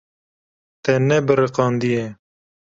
Te nebiriqandiye.